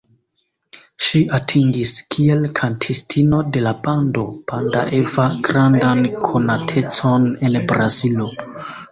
Ŝi atingis kiel kantistino de la bando "Banda Eva" grandan konatecon en Brazilo.